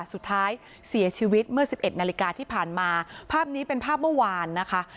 สุดท้ายเสียชีวิตเมื่อสิบเอ็ดนาฬิกาที่ผ่านมาภาพนี้เป็นภาพเมื่อวานนะคะ